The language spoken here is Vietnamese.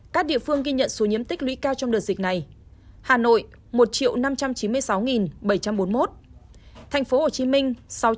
các địa phương ghi nhận số nhiễm tích lũy cao trong đợt dịch này